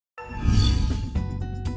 hẹn gặp lại